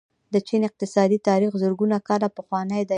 د چین اقتصادي تاریخ زرګونه کاله پخوانی دی.